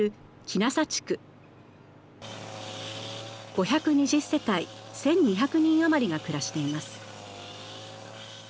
５２０世帯１，２００人余りが暮らしています。